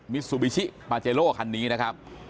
ซูบิชิปาเจโลคันนี้นะครับ